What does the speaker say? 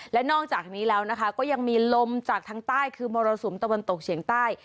และนอกจากนี้แล้วนะคะก็ยังมีลมจากทางใต้คือมรสุมตะวันตกเฉียงใต้